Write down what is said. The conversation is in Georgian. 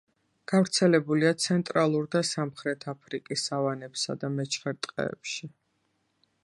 გავრცელებულია ცენტრალურ და სამხრეთ აფრიკის სავანებსა და მეჩხერ ტყეებში.